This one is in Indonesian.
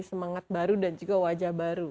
semangat baru dan juga wajah baru